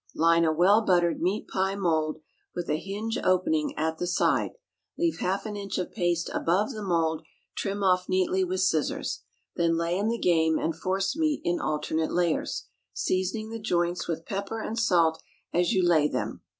Line a well buttered meat pie mould, with a hinge opening at the side; leave half an inch of paste above the mould; trim off neatly with scissors. Then lay in the game and force meat in alternate layers, seasoning the joints with pepper and salt as you lay them.